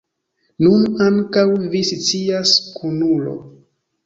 Nun ankaŭ vi scias, kunulo.